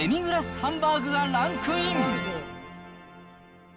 ハンバーグがランクイン。